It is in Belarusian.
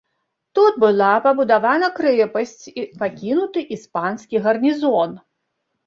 Тут была пабудавана крэпасць і пакінуты іспанскі гарнізон.